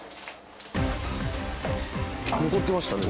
残ってましたね。